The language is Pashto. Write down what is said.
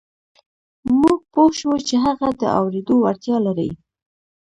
موږ پوه شوو چې هغه د اورېدو وړتیا لري